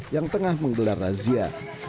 yang tengah menggelar razia